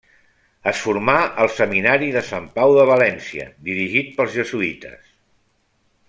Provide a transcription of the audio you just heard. Es formà al Seminari de Sant Pau de València, dirigit pels jesuïtes.